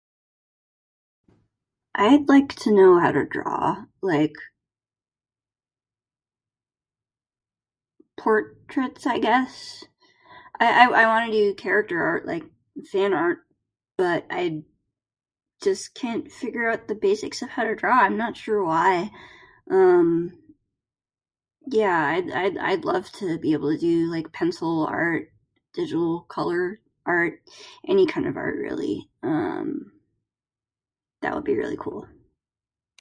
I'd like to know how to draw, like, portraits I guess? I I I wanna do character art, like fan art, but I just can't figure out the basics of how to draw. I'm not sure why. Um, yeah, I'd I'd I'd love to be able to do, like, pencil art, digital color art, any kind of art, really. Um, that would be really cool.